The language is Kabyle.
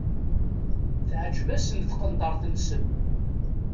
Teεǧeb-asen tqenṭert-nsen.